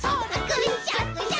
「くっしゃくしゃ」